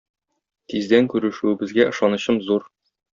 Тиздән күрешүебезгә ышанычым зур.